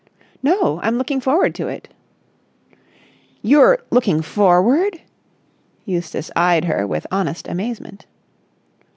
"No, I'm looking forward to it!" "You're looking forward...!" Eustace eyed her with honest amazement.